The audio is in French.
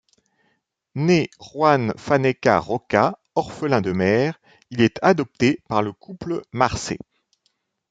Né Juan Faneca Roca, orphelin de mère, il est adopté par le couple Marsé.